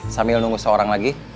sambil nunggu seorang lagi